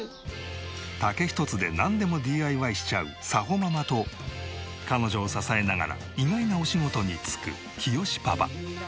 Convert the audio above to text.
竹１つでなんでもＤＩＹしちゃう早穂ママと彼女を支えながら意外なお仕事に就くきよしパパ。